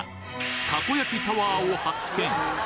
たこ焼きタワーを発見